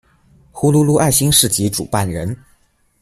呼噜噜爱心市集主办人。